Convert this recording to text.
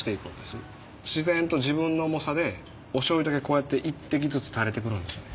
自然と自分の重さでおしょうゆだけこうやって一滴ずつ垂れてくるんですよね。